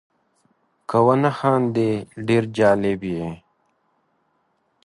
که ونه خاندې ډېر جالب یې .